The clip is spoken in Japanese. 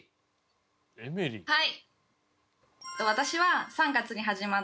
はい！